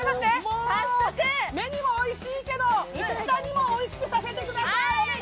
目にもおいしいけど、舌にもおいしくさせてください！